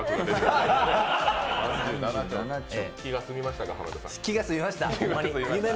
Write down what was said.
気が済みました。